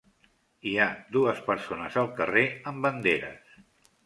Hi ha dues persones al carrer amb banderes.